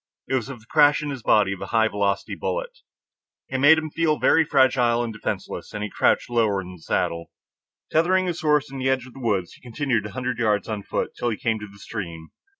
It was of the crash into his body of a high velocity bullet. It made him feel very fragile and defenseless, and he crouched lower in the saddle. Tethering his horse in the edge of the wood, he continued a hundred yards on foot till he came to the stream.